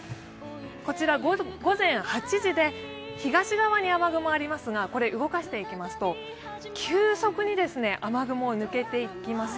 午前８時で東側に雨雲がありますが、動かしていきますと急速に雨雲、抜けていきます。